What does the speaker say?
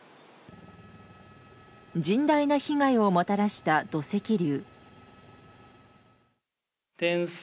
甚大な被害をもたらした土石流。